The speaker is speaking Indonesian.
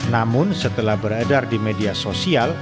namun setelah beredar di media sosial